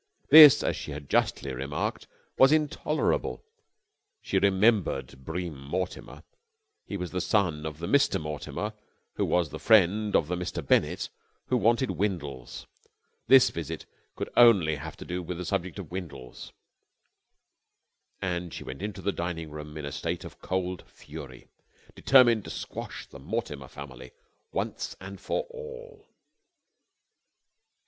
This, as she had justly remarked, was intolerable. She remembered Bream Mortimer. He was the son of the Mr. Mortimer who was the friend of the Mr. Bennett who wanted Windles. This visit could only have to do with the subject of Windles, and she went into the dining room in a state of cold fury, determined to squash the Mortimer family once and for all.